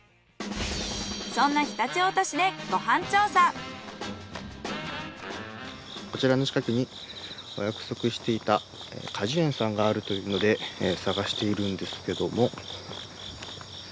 そんなこちらの近くにお約束していた果樹園さんがあるというので探しているんですけども。